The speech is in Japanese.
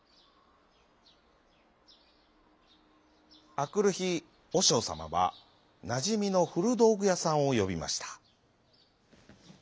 あくるひおしょうさまはなじみのふるどうぐやさんをよびました。